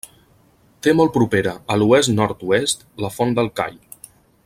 Té molt propera, a l'oest-nord-oest, la Font de la Call.